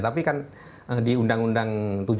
tapi kan di undang undang tujuh dua ribu tujuh belas